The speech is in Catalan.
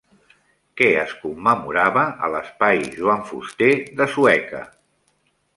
Què es commemorava a l'Espai Joan Fuster de Sueca?